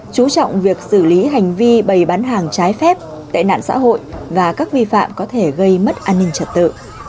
chú trọng việc xử lý hành vi bày bán hàng trái phép tệ nạn xã hội và các vi phạm có thể gây mất an ninh trật tự